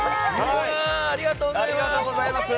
ありがとうございます！